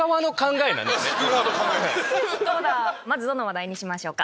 まずどの話題にしましょうか。